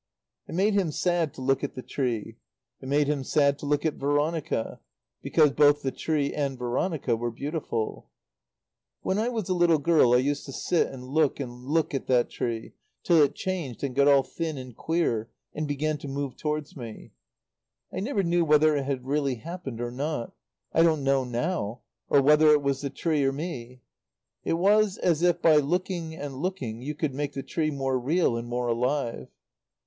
It made him sad to look at the tree; it made him sad to look at Veronica because both the tree and Veronica were beautiful. "When I was a little girl I used to sit and look and look at that tree till it changed and got all thin and queer and began to move towards me. "I never knew whether it had really happened or not; I don't know now or whether it was the tree or me. It was as if by looking and looking you could make the tree more real and more alive."